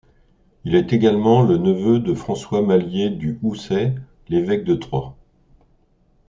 Il est également le neveu de François Mallier du Houssay l'évêque de Troyes.